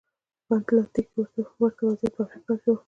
په اتلانتیک کې ورته وضعیت په افریقا کې و.